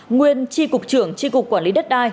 nguyên tri cục trưởng tri cục quản lý đất đai